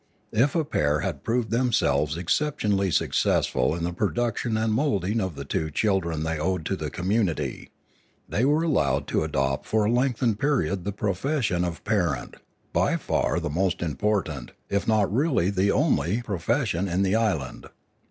If a pair had proved themselves exceptionally success ful in the production and moulding of the two children they owed to the community, they were allowed to adopt for a lengthened period the profession of parent, by far the most important, if not really the only, pro fession in the island.